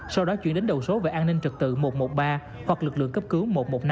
sau đó chuyển đến đầu số về an ninh trật tự một trăm một mươi ba hoặc lực lượng cấp cứu một trăm một mươi năm